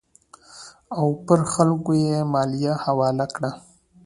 او پر خلکو یې مالیه حواله کړه.